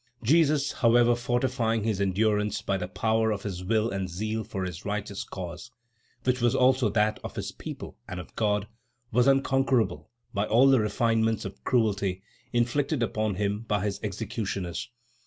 Jesus, however, fortifying his endurance by the power of his will and zeal for his righteous cause which was also that of his people and of God was unconquerable by all the refinements of cruelty inflicted upon him by his executioners.